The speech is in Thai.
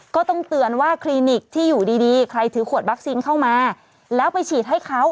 ก็ต้องเตือนว่าคลินิกที่อยู่ดีใครถือขวดวัคซีนเข้ามาแล้วไปฉีดให้เขา